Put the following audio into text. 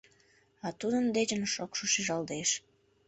А тудын дечын шокшо шижалтеш...